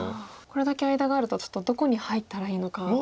これだけ間があるとちょっとどこに入ったらいいのか。